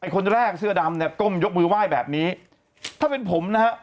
คนแรกเสื้อดำเนี่ยก้มยกมือไหว้แบบนี้ถ้าเป็นผมนะฮะ